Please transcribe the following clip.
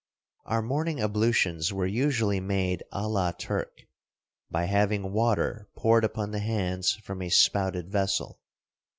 Our morning ablutions were usually made a la Turk: by having water poured upon the hands from a spouted vessel.